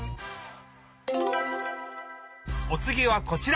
おつぎはこちら！